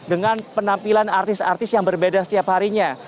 dengan penampilan artis artis yang berbeda setiap harinya